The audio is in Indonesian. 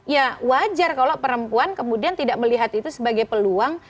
ya wajar kalau perempuan kemudian tidak melihat itu sebagai peluang